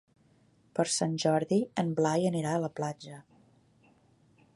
Per Sant Jordi en Blai anirà a la platja.